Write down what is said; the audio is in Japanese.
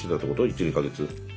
１２か月。